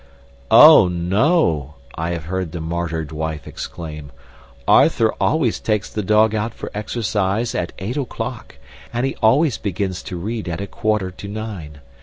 "Oh, no," I have heard the martyred wife exclaim, "Arthur always takes the dog out for exercise at eight o'clock and he always begins to read at a quarter to nine.